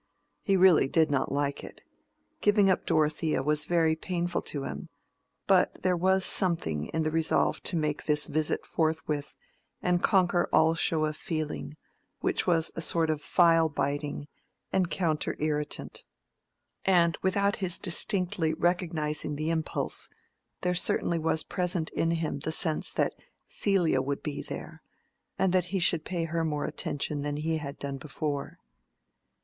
He really did not like it: giving up Dorothea was very painful to him; but there was something in the resolve to make this visit forthwith and conquer all show of feeling, which was a sort of file biting and counter irritant. And without his distinctly recognizing the impulse, there certainly was present in him the sense that Celia would be there, and that he should pay her more attention than he had done before.